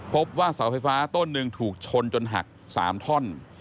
พบว่าเสาไฟฟ้าต้นหนึ่งถูกชนจนหัก๓ท่อน